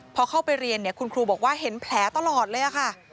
พอเข้าไปเรียนคุณครูบอกว่าเห็นแผลตลอดเลยค่ะ